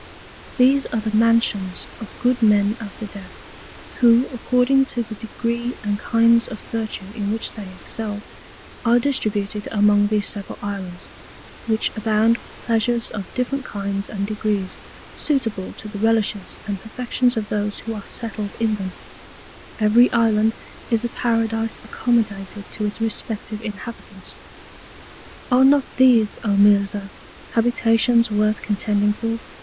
These are the Mansions of good Men after Death, who according to the Degree and Kinds of Virtue in which they excelled, are distributed among these several Islands, which abound with Pleasures of different Kinds and Degrees, suitable to the Relishes and Perfections of those who are settled in them; every Island is a Paradise accommodated to its respective Inhabitants. Are not these, O Mirzah, Habitations worth contending for?